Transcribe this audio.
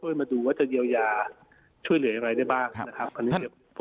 ท่วยมาดูว่าจะเยียวยาช่วยเหลืออย่างไรขนาดนี้นะครับ